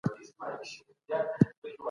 محصلان د ټيم کار زده کوي.